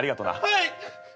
はい！